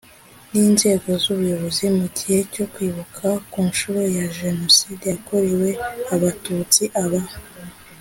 n inzego z ubuyobozi mu gihe cyo Kwibuka ku nshuro ya Jenoside yakorewe Abatutsi Aba